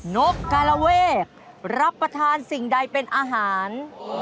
นกกาลเวกรับประทานสิ่งใดเป็นอาหาร